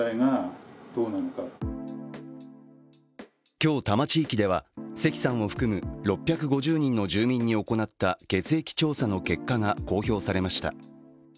今日、多摩地域では関さんを含む６５０人の住民に行った血液調査の結果が公表されました。